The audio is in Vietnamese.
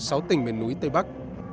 sáu tỉnh miền núi tây bắc